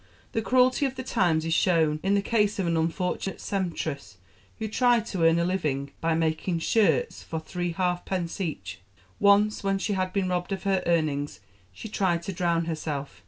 The cruelty of the times is shown in the case of an unfortunate sempstress who tried to earn a living by making shirts for three halfpence each. Once, when she had been robbed of her earnings, she tried to drown herself.